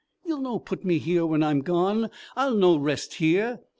Ye'll no put me here when I'm gone! I'll no rest here!